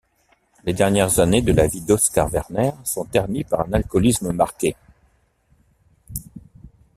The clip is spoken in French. Les dernières années de la vie d'Oskar Werner sont ternies par un alcoolisme marqué.